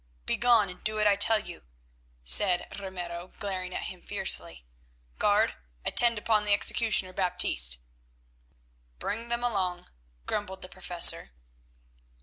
"Begone and do what I tell you," said Ramiro, glaring at him fiercely. "Guard, attend upon the executioner Baptiste." "Bring them along," grumbled the Professor.